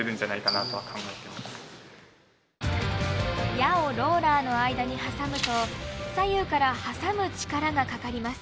矢をローラーの間に挟むと左右から「挟む」力がかかります。